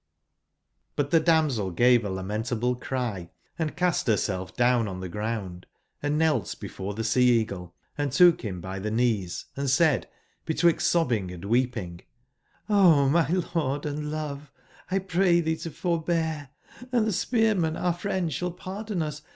l^^^QH tbe damsel gave a lamentable cry, & cast H^^ berself down on tbe ground, & knelt before ^^Sl tbe Sea/eagle, and took bim by tbe knees, and said betwixt sobbing and weeping :'* O my lord and love, X pray tbee to forbear, and tbe Spearman, our friend, sball pardon us.